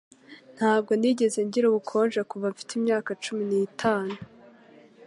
Ntabwo nigeze ngira ubukonje kuva mfite imyaka cumi n'itanu